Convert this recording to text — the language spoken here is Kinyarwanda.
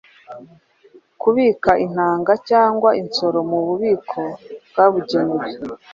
kubika intanga cg insoro mu bubiko bwabugenewe.